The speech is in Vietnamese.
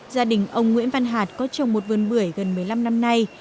gia đình ông nguyễn văn hạt có trồng một vườn bưởi gần một mươi năm năm nay